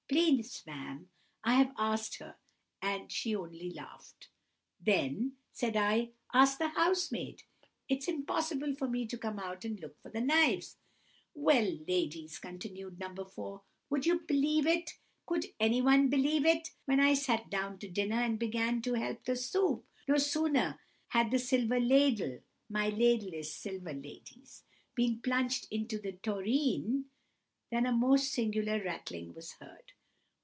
"'Please, ma'am, I have asked her, and she only laughed.' "'Then,' said I, 'ask the housemaid. It's impossible for me to come out and look for the knives.' "Well, ladies," continued No. 4, "would you believe it?—could anyone believe it?—when I sat down to dinner, and began to help the soup, no sooner had the silver ladle (my ladle is silver, ladies) been plunged into the tureen, than a most singular rattling was heard.